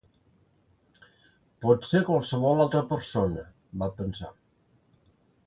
"Pot ser qualsevol altra persona", va pensar.